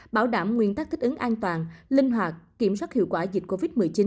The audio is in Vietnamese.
bảo đảm nguyên tắc thích ứng an toàn linh hoạt kiểm soát hiệu quả dịch covid một mươi chín